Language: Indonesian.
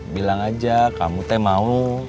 bilang aja kamu teh mau